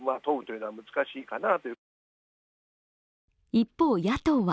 一方、野党は